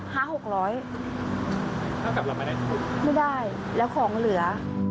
กอลทำสำหรับรมันใหม่ได้ชุด